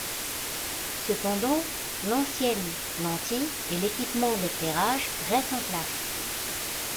Cependant, l'ancienne lentille et l'équipement d'éclairage restent en place.